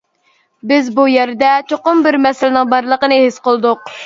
بىز بۇ يەردە چوقۇم بىر مەسىلىنىڭ بارلىقىنى ھېس قىلدۇق.